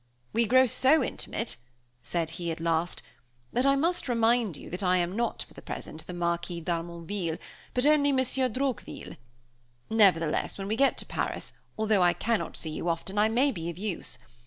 "We grow so intimate," said he, at last, "that I must remind you that I am not, for the present, the Marquis d'Harmonville, but only Monsieur Droqville; nevertheless, when we get to Paris, although I cannot see you often I may be of use.